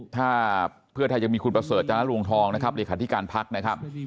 ถ้าเพื่อไทยยังมีคุณประเสริฐจารวงทองนะครับเลขาธิการพักนะครับ